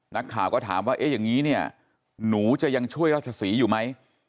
นักข่าวก็ถามว่าเอ๊ะอย่างนี้เนี่ยหนูจะยังช่วยราชศรีอยู่ไหม